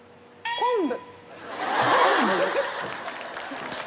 昆布？